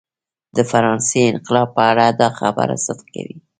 د فرانسې انقلاب په اړه دا خبره صدق کوي.